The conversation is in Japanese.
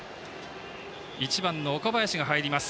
１番、岡林が入ります。